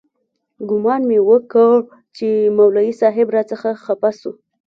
ګومان مې وکړ چې مولوي صاحب راڅخه خپه سو.